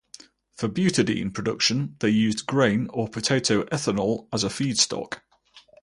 For butadiene production they used grain or potato ethanol as a feedstock.